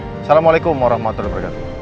assalamualaikum warahmatullahi wabarakatuh